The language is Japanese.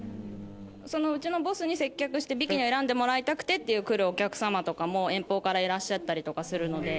うちのボスに接客してビキニを選んでもらいたくて来るお客様とかも遠方からいらっしゃったりとかするので。